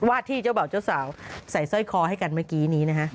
ที่เจ้าบ่าวเจ้าสาวใส่สร้อยคอให้กันเมื่อกี้นี้นะฮะ